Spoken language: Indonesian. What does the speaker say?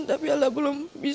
tapi anda belum bisa